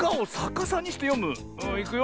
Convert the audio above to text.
いくよ。